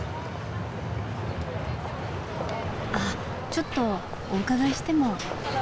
あっちょっとお伺いしても？